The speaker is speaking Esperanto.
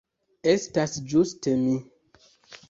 Estas ĝuste mi.